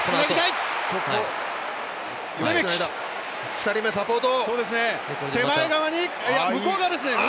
２人目サポート！